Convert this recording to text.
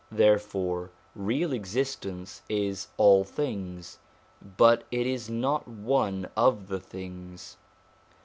There fore Real Existence is all things, but It is not one of the things.